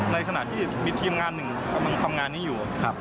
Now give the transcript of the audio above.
ในขณะที่มีทีมงานหนึ่งกำลังทำงานนี้อยู่